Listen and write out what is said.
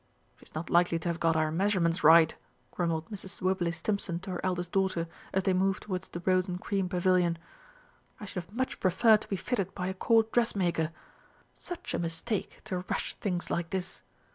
"She's not likely to have got our measurements right," grumbled Mrs. Wibberley Stimpson to her eldest daughter, as they moved towards the rose and cream Pavilion. "I should have much preferred to be fitted by a Court dressmaker. Such a mistake to rush things like this!